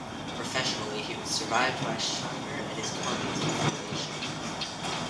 Professionally, he was survived by Scheimer and his colleagues at Filmation.